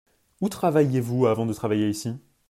Où travailliez-vous avant de travailler ici ?